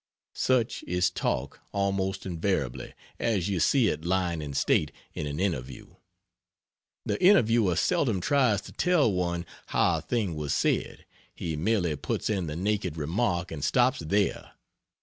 Such is "talk" almost invariably, as you see it lying in state in an "interview". The interviewer seldom tries to tell one how a thing was said; he merely puts in the naked remark and stops there.